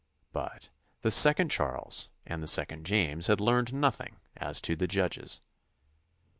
But the second Charles and the second James had learned nothing as to the judges.